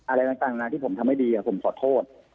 อะไรต่างนะที่ผมทำให้ดีผมขอโทษ